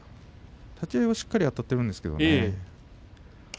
立ち合いはしっかりとあたっているんですけどね。